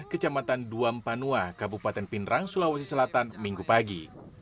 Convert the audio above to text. kecamatan duampanua kabupaten pinerang sulawesi selatan minggu pagi